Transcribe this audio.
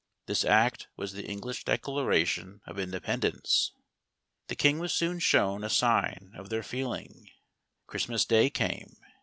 This act was the English Declaration of Independence. The king was soon shown a sign of their feeling. Christmas Day came.